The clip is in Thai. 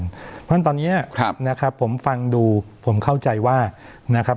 เพราะฉะนั้นตอนนี้นะครับผมฟังดูผมเข้าใจว่านะครับ